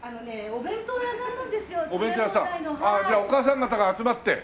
お母さん方が集まって？